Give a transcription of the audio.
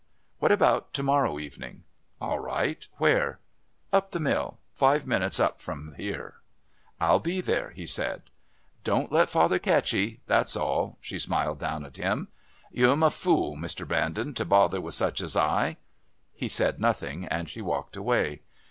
"What about to morrow evening?" "All right. Where?" "Up to the Mill. Five minutes up from here." "I'll be there," he said. "Don't let father catch 'ee that's all," she smiled down at him. "You'm a fule, Mr. Brandon, to bother with such as I." He said nothing and she walked away.